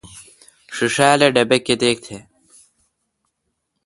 ݭیݭال اے°ا ڈبے°کتیک تہ۔